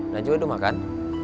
najwa udah makan